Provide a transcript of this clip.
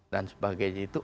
dan sebagainya itu